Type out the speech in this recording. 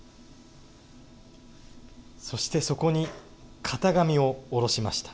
そしてそこに型紙を下ろしました。